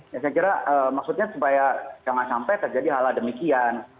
ya saya kira maksudnya supaya jangan sampai terjadi hal hal demikian